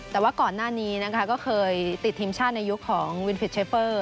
แต่ว่าก่อนหน้านี้นะคะก็เคยติดทีมชาติในยุคของวินผิดเชฟเฟอร์